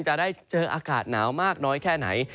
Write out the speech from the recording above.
จะได้เจออากาศหนาวมากน้อยแค่ไหน